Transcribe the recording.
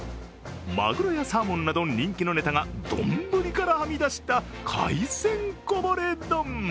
マグロやサーモンなど人気のネタが丼からはみ出した海鮮こぼれ丼。